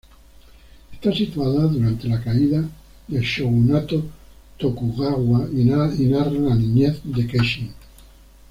Está situada durante la caída del shogunato Tokugawa y narra la niñez de Kenshin.